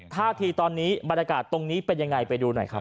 ท่าทีตอนนี้บรรยากาศตรงนี้เป็นยังไงไปดูหน่อยครับ